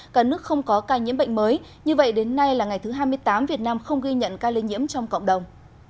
cả nước không có ca nhiễm bệnh mới như vậy đến nay là ngày thứ hai mươi tám việt nam không ghi nhận ca lây nhiễm trong cộng đồng